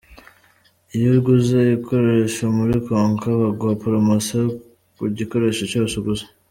Iyo uguze igikoresho muri Konka baguha poromosiyo ku gikoresho cyose uguze.